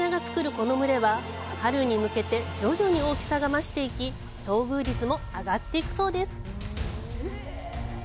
この群れは春に向けて徐々に大きさが増していき遭遇率も上がっていくそうです。